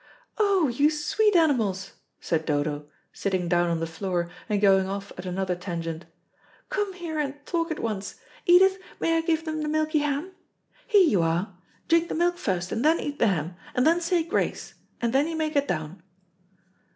"Oh, you sweet animals," said Dodo, sitting down on the floor and going off at another tangent. "Come here and talk at once. Edith, may I give them the milky ham? Here you are; drink the milk first, and then eat the ham, and then say grace, and then you may get down."